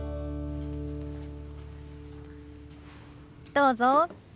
どうぞ。